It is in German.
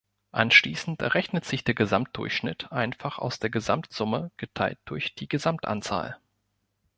Anschließend errechnet sich der Gesamtdurchschnitt einfach aus der Gesamtsumme geteilt durch die Gesamtanzahl.